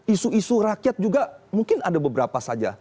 isu isu rakyat juga mungkin ada beberapa saja